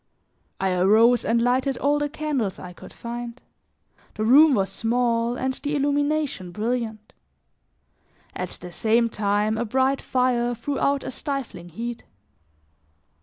I arose and lighted all the candles I could find. The room was small and the illumination brilliant. At the same time a bright fire threw out a stifling heat.